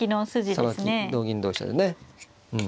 さばき同銀同飛車でねうん。